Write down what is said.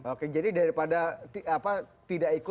oke jadi daripada tidak ikut